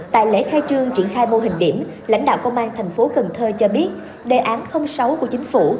tại lễ khai trương triển khai mô hình điểm lãnh đạo công an thành phố cần thơ cho biết đề án sáu của chính phủ